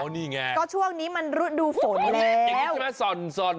อ๋อนี่ไงก็ช่วงนี้มันรุ่นดูฝนแล้วอย่างนี้ใช่มั้ยส่อน